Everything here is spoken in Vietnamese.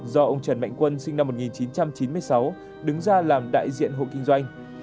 do ông trần mạnh quân sinh năm một nghìn chín trăm chín mươi sáu đứng ra làm đại diện hộ kinh doanh